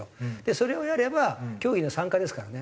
それをやれば競技には参加ですからね。